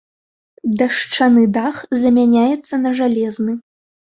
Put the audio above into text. Дашчаны дах замяняецца на жалезны.